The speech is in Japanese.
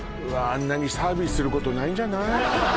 あんなにサービスすることないんじゃない？